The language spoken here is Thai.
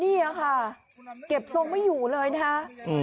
นี่ค่ะเก็บทรงไม่อยู่เลยนะคะ